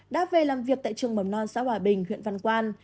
đã về làm việc tại trường mầm non xã hòa bình huyện văn quan